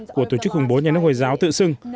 của tổ chức khủng bố nhà nước hồi giáo tự xưng